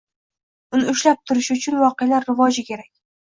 Uni ushlab turishi uchun voqealar rivoji kerak.